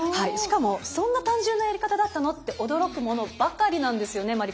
しかもそんな単純なやり方だったの？と驚くものばかりなんですよね